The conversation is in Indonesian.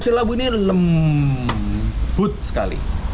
masih labu ini lembut sekali